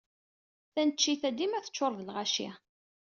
Taneččit-a dima teččuṛ d lɣaci.